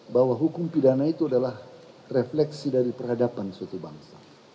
bahwa hukum pidana itu adalah refleksi dari peradaban suatu bangsa